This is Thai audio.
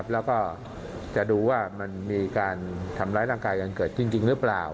แล้วก็จะดูว่ามันมีการทำร้ายร่างกายกันเกิดขึ้นจริงหรือเปล่า